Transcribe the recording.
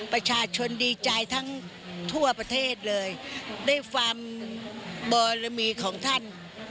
ประชาชนดีใจทั้งทั่วประเทศเลยได้ฟังบรมีของท่าน